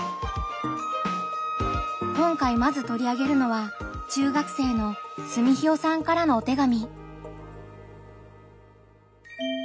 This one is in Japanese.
今回まずとり上げるのは中学生のすみひよさんからのお手紙。